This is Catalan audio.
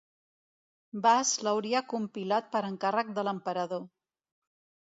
Bas l'hauria compilat per encàrrec de l'emperador.